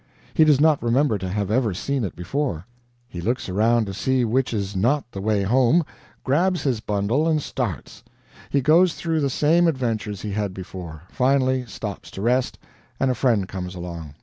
He does not remember to have ever seen it before; he looks around to see which is not the way home, grabs his bundle and starts; he goes through the same adventures he had before; finally stops to rest, and a friend comes along.